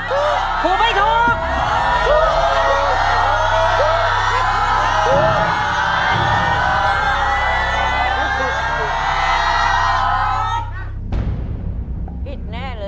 สวัสดีครับ